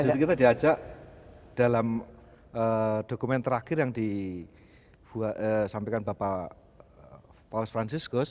ya justru kita diajak dalam dokumen terakhir yang disampaikan bapak paulus franciscus